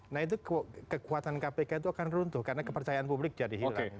nah itu kekuatan kpk itu akan runtuh karena kepercayaan publik jadi hilang